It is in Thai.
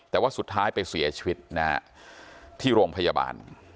แต่ว่าสุดท้ายไปเสียชีวิตนะฮะที่โรงพยาบาล